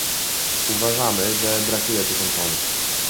Uważamy, że brakuje tu kontroli